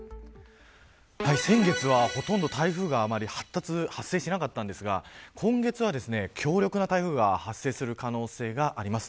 先月はほとんど台風が発達、発生しなかったんですが今月は強力な台風が発生する可能性があります。